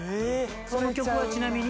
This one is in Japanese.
その曲はちなみに？